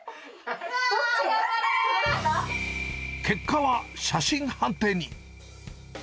結果は、写真判定に。